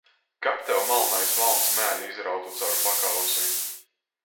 Kab tev malnais valns mēli izrautu caur pakausi!